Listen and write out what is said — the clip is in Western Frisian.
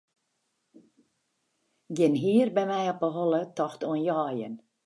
Gjin hier by my op 'e holle tocht oan jeien.